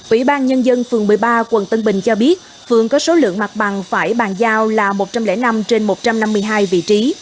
ủy ban nhân dân phường một mươi ba quận tân bình cho biết phường có số lượng mặt bằng phải bàn giao là một trăm linh năm trên một trăm năm mươi hai vị trí